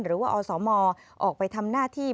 หรือว่าอสมออกไปทำหน้าที่